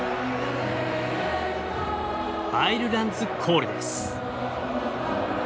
アイルランズ・コールです。